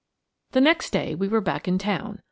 3 THE next day we were back in town.